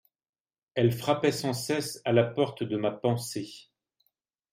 Elle frappait sans cesse à la porte de ma pensée.